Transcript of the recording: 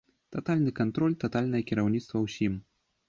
Татальны кантроль, татальнае кіраўніцтва ўсім.